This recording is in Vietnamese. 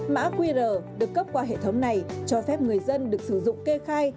mã qr được cấp qua hệ thống này cho phép người dân được sử dụng kê khai